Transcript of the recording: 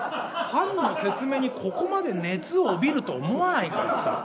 パンの説明にここまで熱を帯びると思わないからさ。